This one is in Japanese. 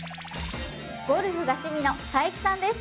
ゴルフが趣味の佐伯さんです。